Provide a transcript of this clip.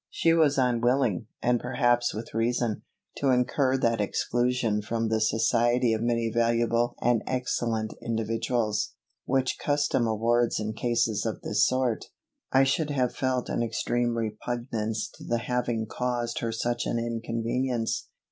She was unwilling, and perhaps with reason, to incur that exclusion from the society of many valuable and excellent individuals, which custom awards in cases of this sort. I should have felt an extreme repugnance to the having caused her such an inconvenience.